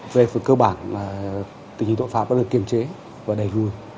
về phần cơ bản là tình hình tội phạm đã được kiềm chế và đẩy rùi